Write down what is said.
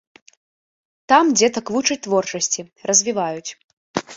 Там дзетак вучаць творчасці, развіваюць.